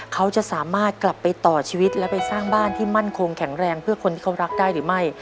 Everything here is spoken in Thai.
เขาจะสามารถกลับไปต่อชีวิตและไปสร้างบ้านที่มั่นคงแข็งแรงเพื่อคนที่เขารักได้หรือไม่